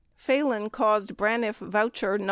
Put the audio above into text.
Phalen caused Braniff voucher, No.